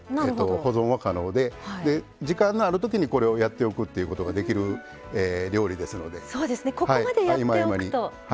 保存は可能で時間のあるときに、これをやっておくっていうことができる料理です。